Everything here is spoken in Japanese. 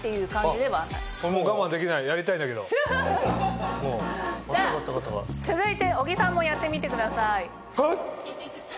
じゃあ続いて小木さんもやってみてください。